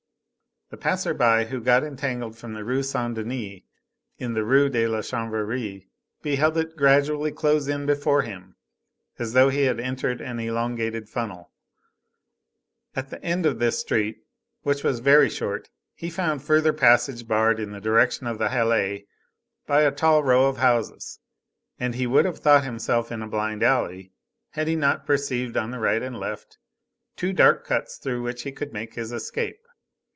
The passer by who got entangled from the Rue Saint Denis in the Rue de la Chanvrerie beheld it gradually close in before him as though he had entered an elongated funnel. At the end of this street, which was very short, he found further passage barred in the direction of the Halles by a tall row of houses, and he would have thought himself in a blind alley, had he not perceived on the right and left two dark cuts through which he could make his escape.